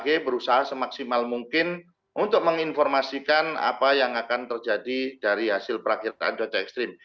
kami bmkg berusaha semaksimal mungkin untuk menginformasikan apa yang akan terjadi dari hasil perakhirkan dota ekstrim